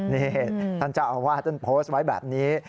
นี่ท่านเจ้าอาวาสท่านโพสต์ไว้แบบนี้